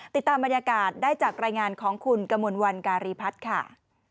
ติดตามบรรยากาศได้จากรายงานของคุณกมลวันการีพัฒน์ค่ะ